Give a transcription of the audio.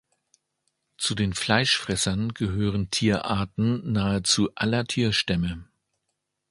Zu den Fleischfressern gehören Tierarten nahezu aller Tierstämme.